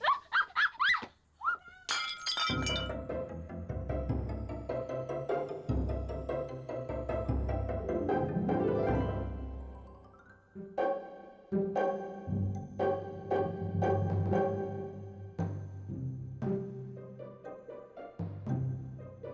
hah hah hah hah